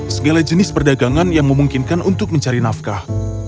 segala jenis perdagangan yang memungkinkan untuk mencari nafkah